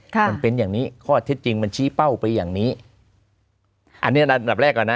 มันเป็นอย่างนี้ข้อเท็จจริงมันชี้เป้าไปอย่างนี้อันนี้ระดับแรกก่อนนะ